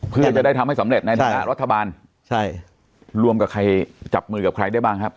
เพื่อจะได้ทำให้สำเร็จในฐานะรัฐบาลใช่รวมกับใครจับมือกับใครได้บ้างครับ